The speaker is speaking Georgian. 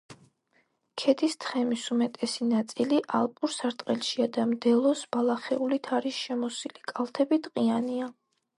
ქედის თხემის უმეტესი ნაწილი ალპურ სარტყელშია და მდელოს ბალახეულით არის შემოსილი, კალთები ტყიანია.